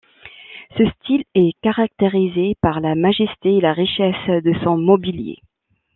Ce style est caractérisé par la majesté et la richesse de son mobilier.